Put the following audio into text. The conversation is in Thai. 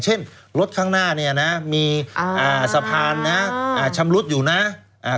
เช่นรถข้างหน้าเนี่ยนะมีสะพานนะชำรุดอยู่นะ